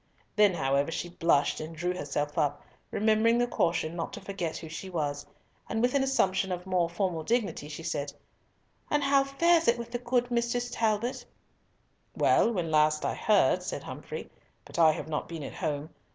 Then, however, she blushed and drew herself up, remembering the caution not to forget who she was, and with an assumption of more formal dignity, she said, "And how fares it with the good Mrs. Talbot?" "Well, when I last heard," said Humfrey, "but I have not been at home.